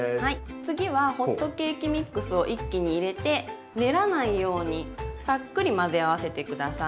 次はホットケーキミックスを一気に入れて練らないようにさっくり混ぜ合わせて下さい。